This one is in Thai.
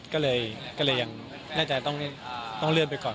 ก็เลยยังน่าจะต้องเลื่อนไปก่อน